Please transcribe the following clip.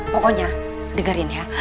pokoknya dengerin ya